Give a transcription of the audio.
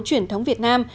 truyền thống việt nam